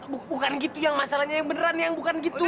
bukan gitu yang masalahnya yang beneran yang bukan gitu